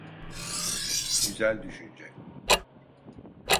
Güzel düşünce.